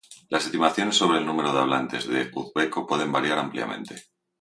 Las estimaciones sobre el número de hablantes de uzbeko pueden variar ampliamente.